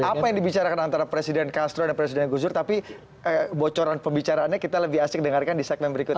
apa yang dibicarakan antara presiden castro dan presiden gus dur tapi bocoran pembicaraannya kita lebih asik dengarkan di segmen berikutnya